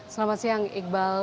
selamat siang iqbal